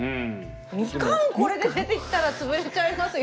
みかんこれで出てきたらつぶれちゃいますよ。